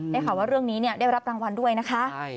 ข่าวว่าเรื่องนี้ได้รับรางวัลด้วยนะคะ